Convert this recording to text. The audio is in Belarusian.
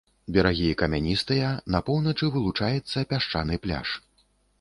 Берагі камяністыя, на поўначы вылучаецца пясчаны пляж.